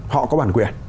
họ có bản quyền